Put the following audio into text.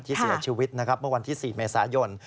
เสียชีวิตนะครับเมื่อวันที่๔เมษายน